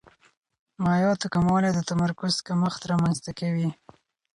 مایعاتو کموالی د تمرکز کمښت رامنځته کوي.